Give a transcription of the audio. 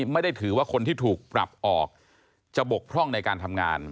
ไม่ได้ถือว่าคนที่ถูกปรับออกจะบกพร่องในการทำงาน